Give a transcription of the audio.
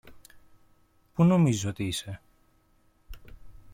που νομίζεις ότι είσαι